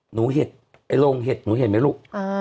เห็ดไอ้โรงเห็ดหนูเห็นไหมลูก